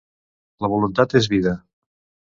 La voluntat és vida.